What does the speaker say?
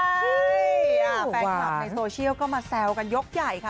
ใช่แฟนคลับในโซเชียลก็มาแซวกันยกใหญ่ค่ะ